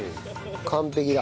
完璧だ。